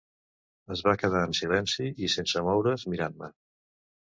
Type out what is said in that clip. Es va quedar en silenci i sense moure"s, mirant-me.